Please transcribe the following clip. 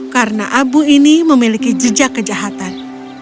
karena abu ini memiliki jejak kejahatan